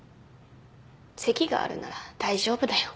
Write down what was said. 席があるなら大丈夫だよ